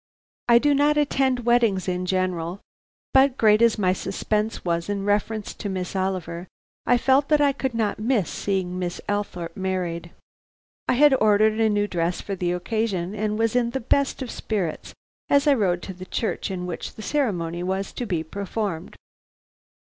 I do not attend weddings in general, but great as my suspense was in reference to Miss Oliver, I felt that I could not miss seeing Miss Althorpe married. I had ordered a new dress for the occasion, and was in the best of spirits as I rode to the church in which the ceremony was to be performed.